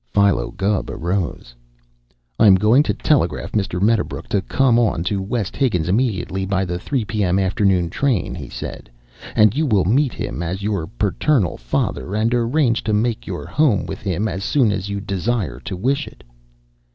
Philo Gubb arose. "I am going to telegraph Mr. Medderbrook to come on to West Higgins immediately by the three P.M. afternoon train," he said, "and you will meet him as your paternal father and arrange to make your home with him as soon as you desire to wish it."